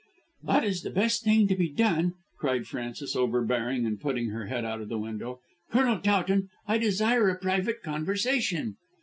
"That is the best thing to be done," cried Frances, overbearing, and putting her head out of the window. "Colonel Towton, I desire a private conversation."